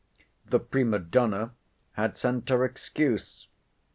The Prima Donna had sent her excuse.